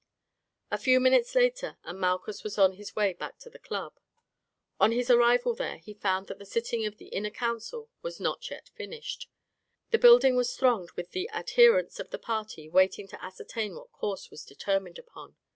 A few minutes later and Malchus was on his way back to the club. On his arrival there he found that the sitting of the inner council was not yet finished. The building was thronged with the adherents of the party waiting to ascertain what course was determined upon.